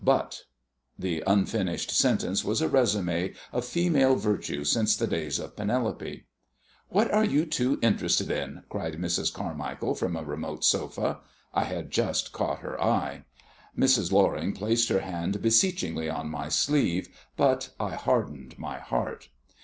But " The unfinished sentence was a résume of female virtue since the days of Penelope. "What are you two so interested in?" cried Mrs. Carmichael from a remote sofa. I had just caught her eye. Mrs. Loring placed her hand beseechingly on my sleeve, but I hardened my heart.